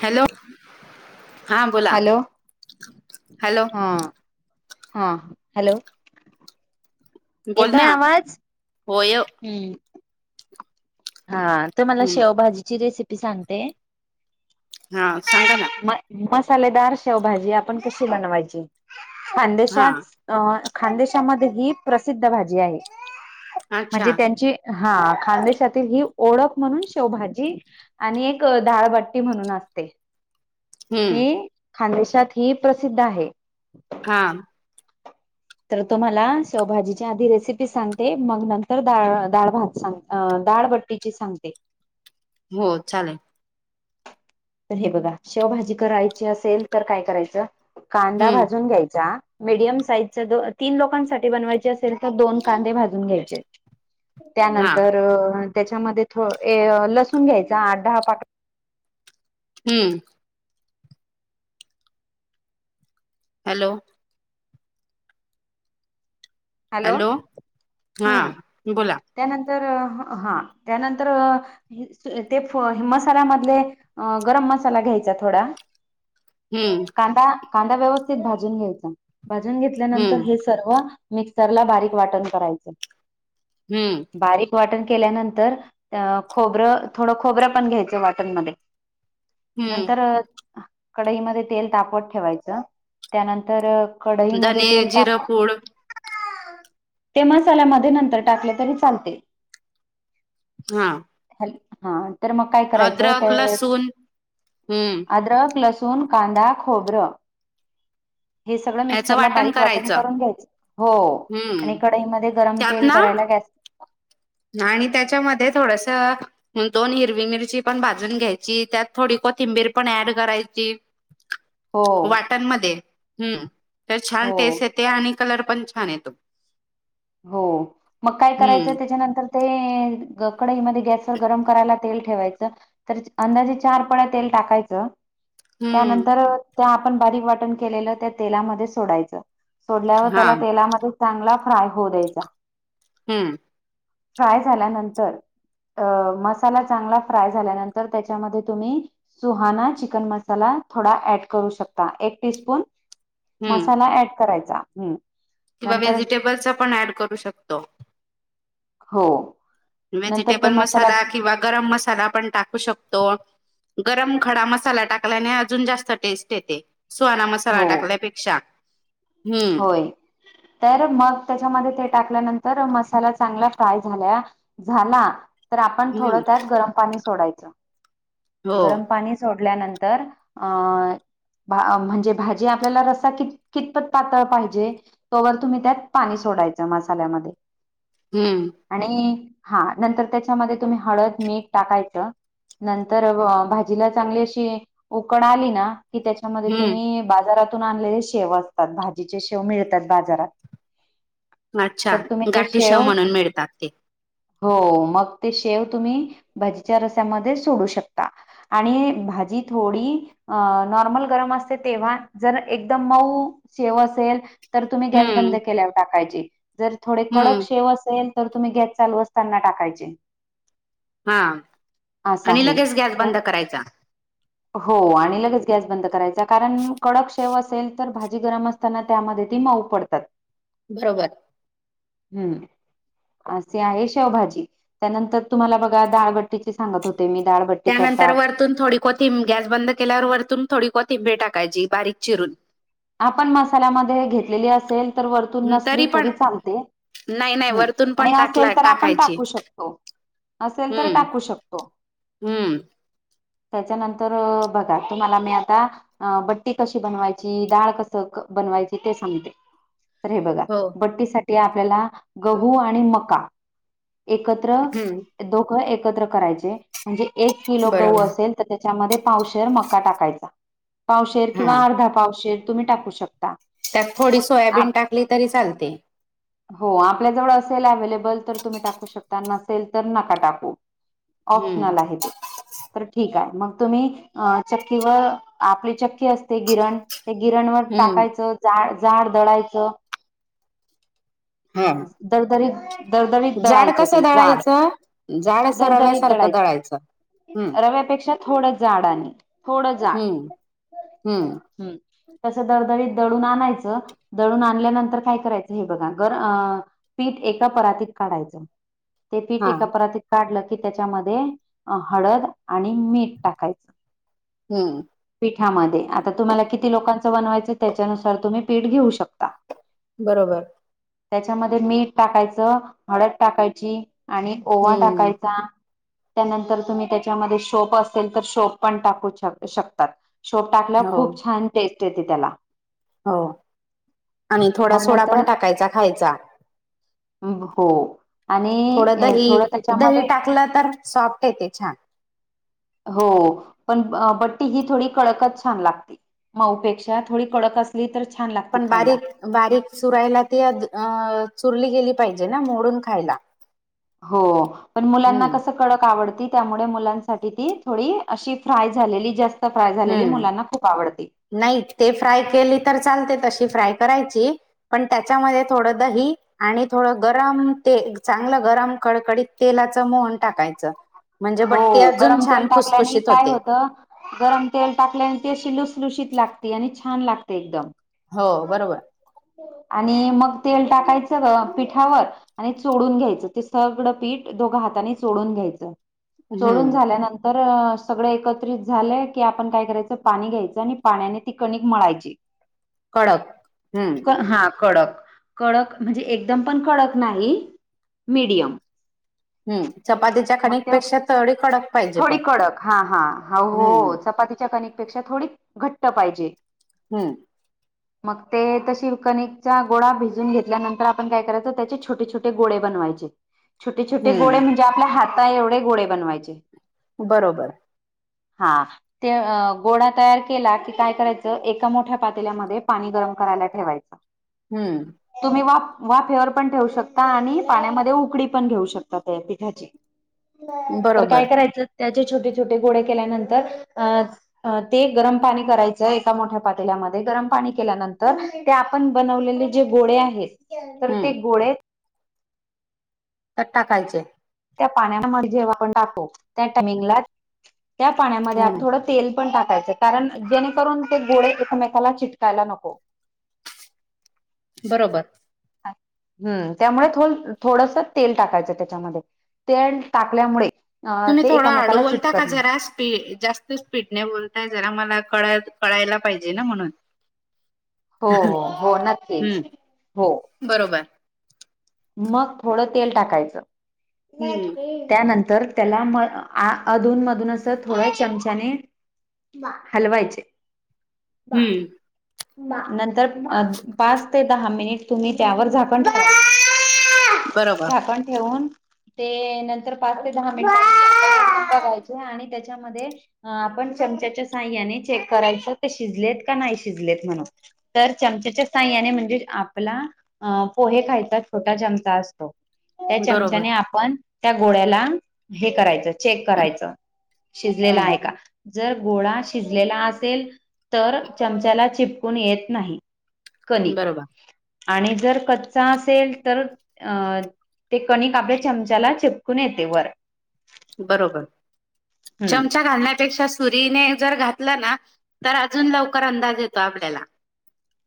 Hello हा बोला hello हां हा हॅलो बोल येतोय ना आवाज? हो य हम्म हा तर मला हम्म शेवभाजीची रेसिपी सांगते. हा सांगा ना. म मसालेदार शेवभाजी आपण कशी बनवायची हा खांदेशात अ खानदेशामध्ये ही प्रसिद्ध भाजी आहे अच्छा म्हणजे त्यांची हा खानदेशातील ही ओळख म्हणून शेवभाजी. आणि एक डाळबट्टी म्हणून असते. हम्म ती खानदेशात हि प्रसिद्ध आहे. हा तुम्हाला शेवभाजी आधी रेसिपी सांगते मग नंतर डाळ भात सांग डाळबट्टी ची मीच सांगते. हो चालेल. तर हे बघा शेवभाजी करायची असेल तर काय करायचं, कांदा हम्म भाजून घ्यायचा. मीडियम साईजच्या तीन लोकांसाठी बनवायची असेल तर दोन कांदे भाजून घ्यायचे. हा त्यानंतर त्याच्यामध्ये लसून घ्यायचा आठ दहा पाकल्या हम्म हॅलो हॅलो हा हम् बोला त्यानंतर हा त्यानंतर ते मसाल्यामधले गरम मसाला घ्यायचा थोडा हम्म कांदा कांदा व्यवस्थित भाजून घ्यायचा भाजून हम्म घेतल्यानंतर हे सर्व मिक्सरला बारीक वाटण करायचं. हम्म. बारीक वाटण केल्यानंतर अ खोबरं थोडं खोबरं पण घ्यायचं वाटणमध्ये नंतर हम्म कढईमध्ये तेल तापत ठेवायचं त्यानंतर कढईमध्ये धने तेल ताप जिरपूड ते मसाल्यामध्ये नंतर टाकल तरी चालते. हा. हॅल हा तर मग काय करायचं अद्रक तेच लसूण हम्म आद्रक लस् सुन, कांदा, खोबरं हे सगळं याचं मिक्सर ला बारीक वाटण करायचं करून घ्यायचं. हो आणि हम्म कढईमध्ये गरम त्यात तेल ना करायला गॅस आणि त्याच्यामध्ये थोडस हु दोन हिरवी मिरची पण भाजून घ्यायची, त्यात थोडी कोथिंबीर पण ऍड करायची. हो वाटणमध्ये हम्म तर छान हो टेस्ट येते आणि कलर पण छान येतो. हो मग काय हम्म करायचंय त्याच्यानंतर? ते ग कढईमध्ये गॅसवर गरम करायला तेल ठेवायचं. तर च अंदाजे चार पळ्या तेल टाकायचं. त्यानंतर हम्म त्या आपण बारीक वाटण केलेल्या त्या तेलामध्ये सोडायचं. सोडल्यावर हा त्याला तेलामध्ये चांगला फ्राय होऊ द्यायचा. हम्म. फ्राय झाल्यानंतर अ मसाला चांगला फ्राय झाल्यानंतर त्याच्यामध्ये तुम्ही सुहाणा चिकन मसाला थोडा ऍट करू शकता एक टीस्पून हम्म मसाला ऍट करायचा हम्म किंवा नंतर व्हेजिटेबलचा पण ऍड करू शकतो. हो. नंतर ते व्हेजिटेबल मसाला किंवा गरम मसाला पण टाकू शकतो, गरम खडा मसाला टाकल्याने अजून जास्त टेस्ट येते. सुहाना मसाला हो टाकल्यापेक्षा हम्म होय तर मग त्याच्यामध्ये ते टाकल्यानंतर मसाला चांगला फ्राय झाला. झाला तर आपण थोडं हम्म त्यात गरम पाणी सोडायच, हो गरम पाणी सोडल्यानंतर अ भा अम म्हणजे भाजी आपल्याला रसा की कितपत पातळ पाहिजे, तोवर तुम्ही त्यात पाणी सोडायचं मसाल्यामध्ये हम्म. आणि हा नंतर त्याच्यामध्ये तुम्ही हळद, मीठ टाकायचं. नंतर व भाजीला चांगली अशी उकड आली ना की त्याच्या च्यामध्ये हम्म तुम्ही बाजारातून आणलेले शेव असतात, भाजीचे शेव मिळतात बाजारात अच्छा! तर तुम्ही ते गाठीशेव शेव म्हणून मिळतात ते हो मग ते शेव तुम्ही भाजीच्या रसामध्ये सोडू शकता आणि भाजी थोडी अ नॉर्मल गरम असते तेव्हा जर एकदम मऊ शेव असेल तर तुम्ही गॅस बंद हम्म केल्यावर टाकायची, जर थोडे कडक हम्म शेव असेल तर तुम्ही गॅस चालू असताना टाकायचे. हा असं आणि आहे. लगेच गॅस न- बंद करायचा. हो आणि लगेच गॅस बंद करायचा कारण कडक शेव असेल तर भा जी गरम असताना त्यामध्ये ती मऊ पडतात. भरोबर हम्म. असी आहे शेवभाजी त्यानंतर तुम्हाला बघा दाळबट्टीची सांगत होते मी दाळबट् त्यानंतर वरतून थोडी कोथिंबर गॅस बंद केल्यावर वरतून थोडी कोथिंबीर टाकायची बारीक चिरून आपण मसाल्यामध्ये घेतलेली असेल तर वरतून नसली तरी चालते. नाही नाही हम् वरतून पण आणि असेल टाकला तर आपण टाकायची टाकू शकतो. असेल तर हम्म. टाकू शकतो. हम्म त्याच्यानंतर बघा तुम्हाला मी आता बट्टी कशी बनवायची. डाळ कस बनवायची ते सांगते तर हे बघा हो बट्टीसाठी ते आपल्याला गहू आणि मका एकत्र हम्म दोघं एकत्र करायचे म्हणजे एक किलो गहू बरोबर. असेल. त्याच्यामध्ये पावशेर मका टाकायचा पावशेर हा किंवा अर्धा पावशेर तुम्ही टाकू शकता. त्यात थोडी सोयाबीन टाकली तरी चालते. ह. हो आपल्या जवळ असेल अव्हेलेबल तर तुम्ही टाकू शकता नसेल तर नका टाकू हम्म ऑप्शनल आहे ते तर ठीक आहे मग तुम्ही अ चक्कीवर आपली चक्की असते गिरण ते गिरणवर हम्म. टाकायचं जा जाड दळायचं. हा दर दरी दरदरी जाड दळायचं कसं ते झाड दळायचं जाड असं दरदरी रव्यासारखं दळायचं. हम्म रव्यापेक्षा थोडं जाड आणि थोडं हम्म जाड हम्म ह तस दडदडीत दडून आणायचं दडून आणल्यानंतर काय करायचं हे बघा ग. पीठ एका परातत काढा ते पीठ हा एका परात काढलं की त्याच्यामध्ये हळद आणि मीठ टाकायचं. हम्म. पीठामध्ये आता तुम्हाला किती लोकांचं बनवायचं, त्याच्यानुसार तुम्ही पीठ घेऊ शकता. बरोबर. त्याच्यामध्ये मीठ टाकायचं, हळद टाकायची, आणि ओवा हम्म टाकायचा. त्यानंतर तुम्ही त्याच्यामध्ये शोप असेल तर शोप पण टाकू श शकतात. शोप टाकल्यावर हो. खूप छान टेस्ट येते त्याला हो आणि थोडा मग सोडा नंतर पण टाकायचा खायचा. हम हो. आणि थोडं अ, दही दही त्याच्यामध्ये टाकलं तर सॉफ्ट येते छान हो पण बट्टी ही थोडी कळकच छान लागते. मउ पेक्षा थोडी कडक अस तर छान लागत. पण बारीक बारीक चुरायला ती अं चुरली गेली पाहिजे ना ओरून खायला. हो पण मुलांना हम्म कसं कडक आवडते त्यामुळे मुलांसाठी ती थोडी अशी फ्राय झालेली जास्त सफ्राय झालेली हम्म मुलांना खूप आवडते. नाही ते फ्राय केली तर चालते तशी फ्राय करायची. पण त्याच्यामध्ये थोडं दही आणि थोडं गरम ते चांगलं गरम कडकडीत तेलाच मोहन टाकायच म्हणजे हो बट्टी अजून गरम छान तेल टाकल्याने खुसखुशीत काय होते. होतं गरम तेल टाकल्यान त अशी लुसलुशीत लागते आणि छान लागते एकदम. हो बरोबर. आणि मग तेल टाकायचं ग पिठावर आणि चोडून घ्यायचं ते सगळं पीठ दोघं हातानी चोडून घ्यायचं चोडून हम्म झाल्यानंत तर सगळं एकत्रित झालंय की आपण काय करायचं. पाणी घ्यायचं, आणि पाण्याने ती कणिक मळायची. कडक हम्म हा कडक. कडक म्हणजे एकदम पण कडक नाही मिडियम. हम् चपातीच्या ते खनिकपेक्षा तळडी कडक. पाहिजे थोडी पण कडक हा हा हा हो हम्म चपातीच्या कणिकपेक्षा थोडी घट्ट पाहिजे. हम्म. [inaudible] मग ते तशी कणिकचा गोळा भिजून घेतल्यानंतर आपण काय करायचं त्याचे छोटे छोटे गोळे बनवायचे. छोटे छोटे गोळे हम्म म्हणजे आपल्या हाता एवढे गोळे बनवायचे. बरोबर. हा. ते अ गोडा तयार केला की काय करायचं एका मोठ्या पातेल्यामध्ये पाणी गरम करायला ठेवायचं. हा. हम्म. तुम्ही वा वा फेवर पण ठेवू शकता आणि पाण्यामध्ये उकडळी पण घेऊ शकता ते पिठाची. ची तर काय बरोबर. करायचं त्याचे छोटे छोटे गोळे केल्यानंतर अ. अ ते गरम पाणी करायचंय एका मोठ्या पातल्यामध्ये गरम पाणी केल्यानंतर. ते आपण बनवलेले जे गोळे आहेत तर ते हं. गोळे. त्यात टाकायचे. त्या पाण्यामध्ये जेव्हा आपण टाको त्या टायमिंगला त्या पाण्यामध्ये आपन हं. थोडं. तेल पण टाकायच कारण जेणेकरून ते गोळे एकमेकाला चिटकायला नको. बरोबर. हम्म त्यामुळे थ थोडस तेल टाकायचं त्याच्यामध्ये. तेल टाकल्यामुळे. अ तुम्ही ते थोडा हडू एकामेकाला बोलता का चिटकत नाही. जरा स्पी जास्त. फिटणे बोलताय जरा मला कळ कळायला पाहिजे ना म्हणून. हो हो हो नक्की हं. हो. बरोबर. मग थोडं तेल टाकायचं हं. त्यानंतर. त्याला म आ अधून मधून असं थोड् चमचाने. हलवायचे. हं. नंतर अ पाच ते दहा मिनिट तुम्ही त्यावर झाकण ठेवायच. बरोबर. झाकण ठेवून. ते नंतर पाच ते दहा मिनट बघायचे आणि त्याच्यामध्ये. अ आपण चमचाच्या साह्याने चेक करायच ते शिजलेत का नाही शिजलेत म्हणून. तर चमचेच्या साहायाने म्हणजे आपला पोहे खायचा. छोटा चमचा असतो, त्या चमचाने बरोबर. आपण त्या गोळ्याला हे करायचं. चेक करायचं शिजलेलं हं. आहे का. जर गोळा शिजलेला असेल तर चमचाला चिपकून येत नाही. कणीक बरोबर. आणि जर कच्चा असेल. तर अ ते कणिक आपल्या चमचाला चिपकून येते वर. बरोबर हम्म चमचा घालण्यापेक्षा सु सुरीने जर घातलं ना तर अजून लवकर अंदाज येतो आपल्याला.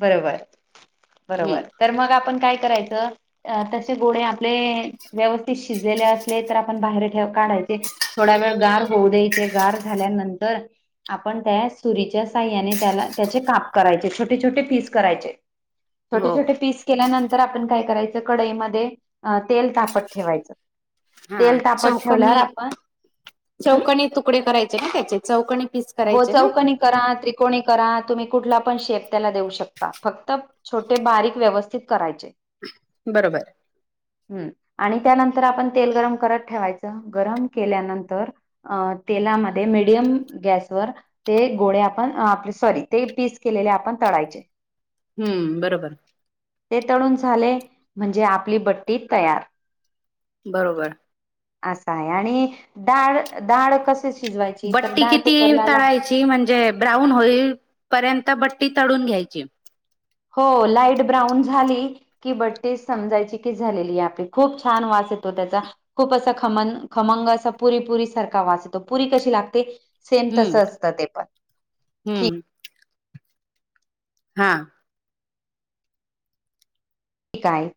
बरोबर हं. बरोबर तर मग आपण काय करायचं. अ तसे गोळे आपले व्यवस्थित शिजलेले असले तर आपण बाहेर ठेव काढायचे. थोडा वेळ गार होऊ द्यायचे गार झाल्यानंतर. आपण त्या सुरीच्या साह्याने त्याला त्याचे काप करायच छोटे. छोटे छोटे पीस करायचे छोटे हो. छोटे पीस. केल्यानंतर आपण काय करायचं कढईमध्ये तेल तापत ठेवायचं. तेल हां. तापत ठेवल्यावर चौकनी आपण. हं? चौकनी तुकडे करायचे ना त्याचे चौकनी पीस. हो करायचे ना? चौकणी करा त्रिकोणी करा तुम्ही कुठला पण शेप त्याला देऊ शकता फक्त. छोटे बारीक व्यवस्थित करायचे. बरोबर. हम्म आणि त्यानंतर आपण तेल गरम करत ठेवायचं गरम केल्यानंतर. तेलामध्ये मिडयम गॅस ते गोळे आपण आप सॉरी ते पीस केलेले आपण तळायचे हम्म बरोबर ते तळून झाले म्हणजे आपली बट्टी तयार बरोबर अस आहे आणि डाळ डाळ कसे शिजवायची तर डाळ खूप ती तळायची म्हणजे ब्राऊन होईल पर्यंत बट्टी तळून घ्यायची हो लाईट ब्राऊन झाली कि बट्टी समजायची की झालेली आहे आपली खूप छान वास येतो त्याचा खूप असं खम खमंग असं पुरीपुरी सारखा वास येतो पुरी कशी लागते सेम तस हम्म असतं ते पण हम्म हां ठीक आहे